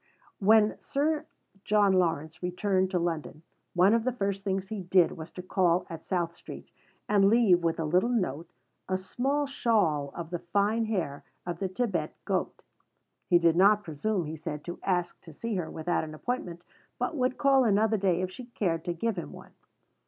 When Sir John Lawrence returned to London, one of the first things he did was to call at South Street, and leave, with a little note, "a small shawl of the fine hair of the Thibet goat." He did not presume, he said, to ask to see her without an appointment, but would call another day if she cared to give him one.